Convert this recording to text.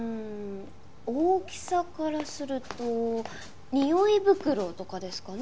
大きさからするとにおい袋とかですかね？